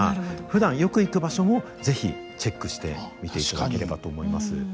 ふだんよく行く場所も是非チェックして見ていただければと思います。